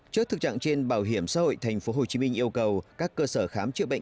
trước thực trạng trên bảo hiểm xã hội tp hcm yêu cầu